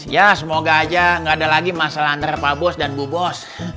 ya semoga aja gak ada lagi masalah antara pak bos dan bu bos